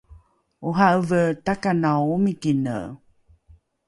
ora’eve takanao omikine